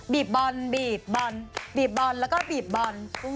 บีบบ่นบีบบ่นบีบบ่นแล้วก็บีบบ่น